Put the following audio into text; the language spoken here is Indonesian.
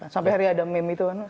sampai hari ada meme itu kan